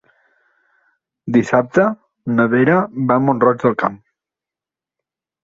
Dissabte na Vera va a Mont-roig del Camp.